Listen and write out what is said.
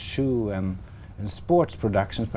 có thể anh chia sẻ